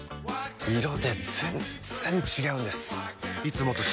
色で全然違うんです！